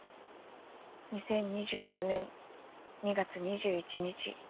２０２４年２月２１日。